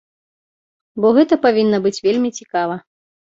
Бо гэта павінна быць вельмі цікава.